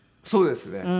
そうですね。